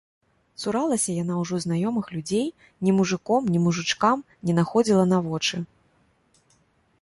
Цуралася яна ўжо знаёмых людзей, ні мужыком, ні мужычкам не находзіла на вочы.